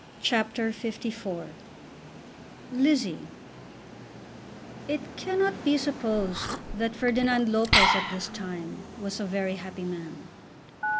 CHAPTER LIV Lizzie It cannot be supposed that Ferdinand Lopez at this time was a very happy man.